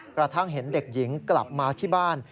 กระทั่งเห็นเด็กหญิงกลับมาที่บ้าน